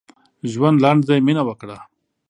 ژوند لنډ دی؛ مينه وکړه.